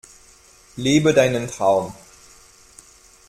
Lebe deinen Traum!